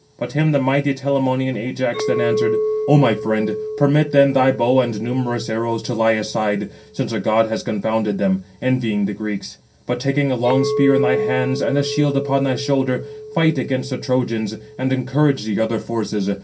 But him the mighty Telamonian Ajax then answered: "O my friend, permit then thy bow and numerous arrows to lie aside, since a god has confounded them, envying the Greeks; but, taking a long spear in thy hands, and a shield upon thy shoulder, fight against the Trojans, and encourage the other forces.